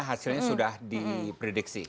hasilnya sudah diprediksi